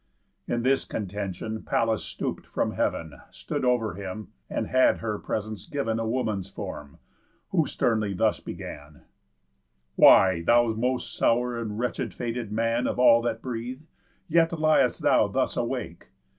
In this contention Pallas stoop'd from heav'n, Stood over him, and had her presence giv'n A woman's form, who sternly thus began: "Why, thou most sour and wretched fated man Of all that breathe, yet liest thou thus awake?